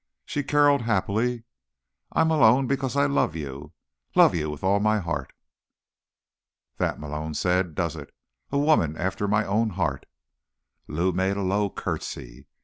She caroled happily. "I'm Malone because I love you, love you with all my heart." "That," Malone said, "does it. A woman after my own heart." Lou made a low curtsy.